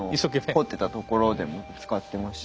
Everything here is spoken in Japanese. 掘ってたところでも使ってました。